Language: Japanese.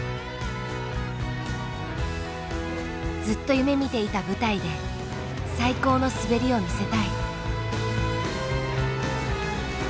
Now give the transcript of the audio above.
ずっと夢みていた舞台で最高の滑りを見せたい。